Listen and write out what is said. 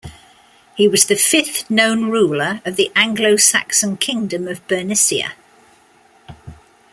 He was the fifth known ruler of the Anglo-Saxon kingdom of Bernicia.